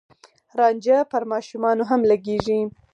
رانجه پر ماشومانو هم لګېږي.